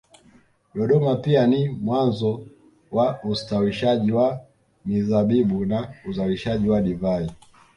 Dodoma pia ni mwanzo wa ustawishaji wa mizabibu na uzalishaji wa divai